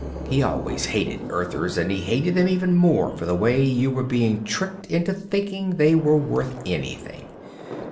He always hated Earthers, and he hated them even more for the way you were being tricked into thinking they were worth anything.